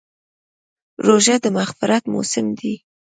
روژه د مغفرت موسم دی.